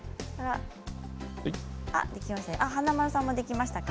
華丸さんもできましたか。